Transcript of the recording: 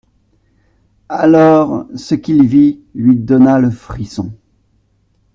Alors ce qu'il vit lui donna le frisson.